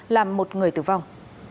làm một người tử vong